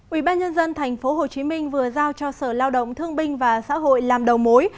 ủy ban nhân dân tp hcm vừa giao cho sở lao động thương binh và xã hội làm đầu mối